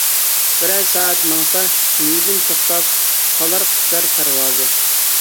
بىرەر سائەت ماڭسا نىيىدىن، توختاپ قالار قۇشلار پەرۋازى.